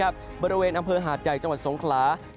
บริเวณอำเพอร์หาดใยจังหวัดสงครา